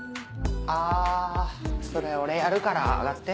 あそれ俺やるから上がって。